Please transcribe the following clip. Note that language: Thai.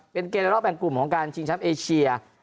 เป็นเกณฑ์รอบแหล่งกลุ่มของการชิงชัพเอเชีย